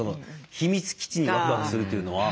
秘密基地にワクワクするというのは。